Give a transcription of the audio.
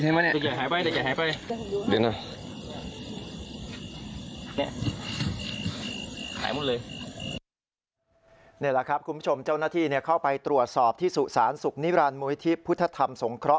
นี่แหละครับคุณผู้ชมเจ้าหน้าที่เข้าไปตรวจสอบที่สุสานสุขนิรันดิมุยที่พุทธธรรมสงเคราะห